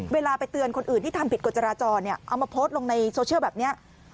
เวลาไปเตือนคนอื่นที่ทำผิดกฎจราจรเอามาโพสต์ลงในโซเชียลแบบนี้